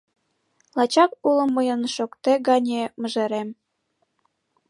Лачак уло мыйын шокте гане мыжерем: